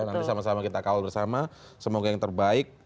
nanti sama sama kita kawal bersama semoga yang terbaik